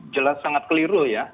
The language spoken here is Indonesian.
jelas sangat keliru ya